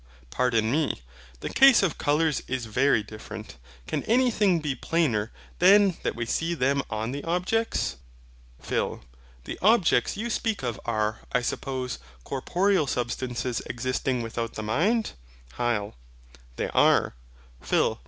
Pardon me: the case of colours is very different. Can anything be plainer than that we see them on the objects? PHIL. The objects you speak of are, I suppose, corporeal Substances existing without the mind? HYL. They are. PHIL.